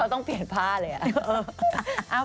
ต้องเปลี่ยนผ้าเลย